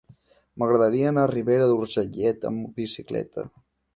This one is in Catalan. M'agradaria anar a Ribera d'Urgellet amb bicicleta.